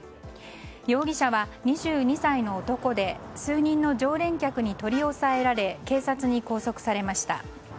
容疑者は２２歳の男で数人の常連客に取り押さえられ警察に拘束されました。